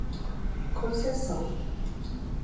concessão